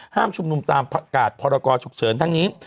ชุมนุมตามประกาศพรกรฉุกเฉินทั้งนี้